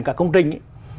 cả công trình